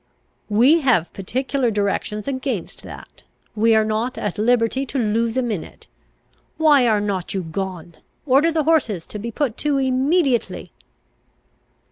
"We have particular directions against that. We are not at liberty to lose a minute. Why are not you gone? Order the horses to be put to immediately!"